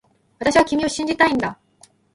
私は君を信じたいんだ